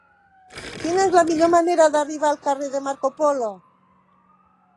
Quina és la millor manera d'arribar al carrer de Marco Polo?